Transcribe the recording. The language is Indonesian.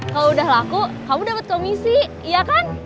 kalau udah laku kamu dapat komisi iya kan